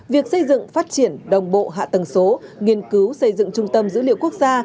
việc xây dựng phát triển đồng bộ hạ tầng số nghiên cứu xây dựng trung tâm dữ liệu quốc gia